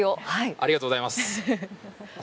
ありがとうございます。